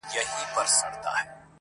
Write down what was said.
ليري له بلا سومه، چي ستا سومه_